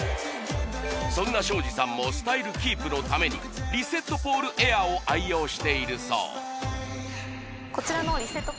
そんな庄司さんもスタイルキープのためにリセットポールエアーを愛用しているそうこちらのリセット